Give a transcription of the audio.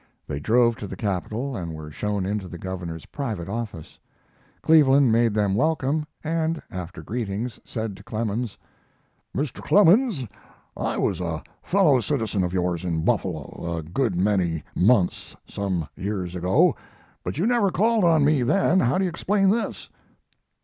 They drove to the Capitol and were shown into the Governor's private office. Cleveland made them welcome, and, after greetings, said to Clemens: "Mr. Clemens, I was a fellow citizen of yours in Buffalo a good many months some years ago, but you never called on me then. How do you explain this?"